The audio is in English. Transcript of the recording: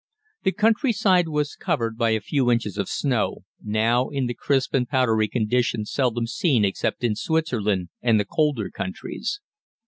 The countryside was covered by a few inches of snow, now in the crisp and powdery condition seldom seen except in Switzerland and the colder countries.